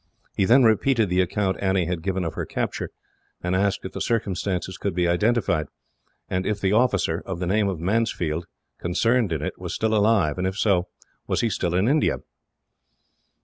He then repeated the account Annie had given of her capture, and asked if the circumstances could be identified, and if the officer, of the name of Mansfield, concerned in it was still alive; and if so, was he still in India?